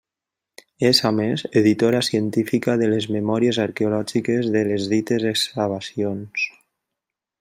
És, a més, editora científica de les memòries arqueològiques de les dites excavacions.